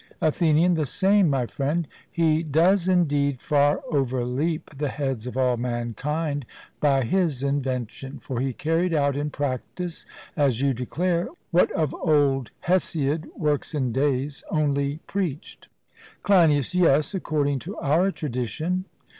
ATHENIAN: The same, my friend; he does indeed far overleap the heads of all mankind by his invention; for he carried out in practice, as you declare, what of old Hesiod (Works and Days) only preached. CLEINIAS: Yes, according to our tradition.